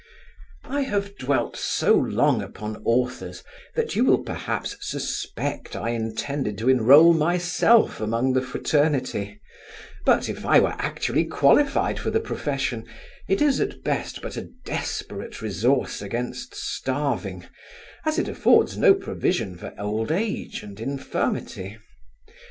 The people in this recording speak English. I have dwelt so long upon authors, that you will perhaps suspect I intend to enroll myself among the fraternity; but, if I were actually qualified for the profession, it is at best but a desperate resource against starving, as it affords no provision for old age and infirmity.